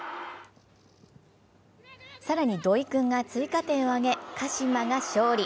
更に土井君が追加点を上げ、鹿島が勝利。